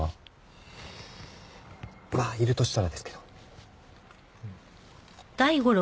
まあいるとしたらですけど。